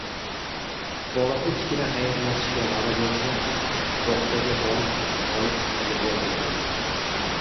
Bola tinchgina xayrlashishga vaʼda bersa ham bog‘chaga borib olib yig‘layveradi